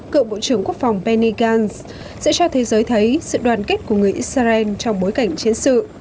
cựu bộ trưởng quốc phòng penny gantz sẽ cho thế giới thấy sự đoàn kết của người israel trong bối cảnh chiến sự